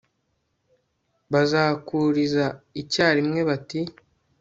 basakuriza icyarimwe, bati